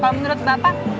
pak menurut bapak